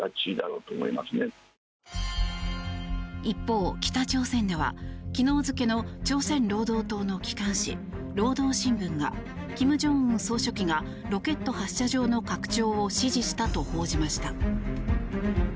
一方、北朝鮮では昨日付の朝鮮労働党の機関紙、労働新聞が金正恩総書記がロケット発射場の拡張を指示したと報じました。